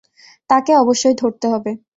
তাকে অবশ্যই ধরতে হবে।